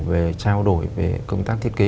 về trao đổi về công tác thiết kế